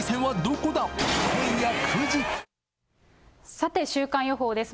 さて、週間予報です。